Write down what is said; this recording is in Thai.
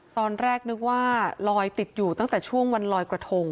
ตอนแรกนึกว่าลอยติดอยู่ตั้งแต่ช่วงวันลอยกระทง